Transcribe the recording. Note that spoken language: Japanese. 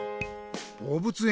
どうぶつ園？